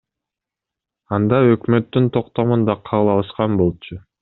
Анда өкмөттүн токтомун да кабыл алышкан болчу.